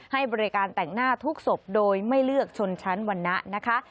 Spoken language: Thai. ให้บริการแต่งหน้าทุกศพโดยไม่เลือกชนชั้นวรรณะนะคะ